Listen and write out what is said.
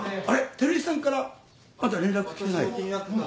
照井さんからまだ連絡きてない？